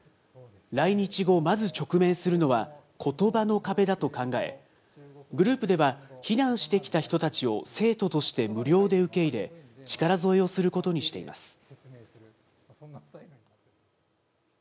来日後、まず直面するのはことばの壁だと考え、グループでは、避難してきた人たちを生徒として無料で受け入れ、力添えをすることにしています。